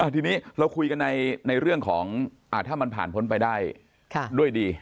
ทีนี้เราคุยกันในเรื่องของถ้ามันผ่านพ้นไปได้ด้วยดี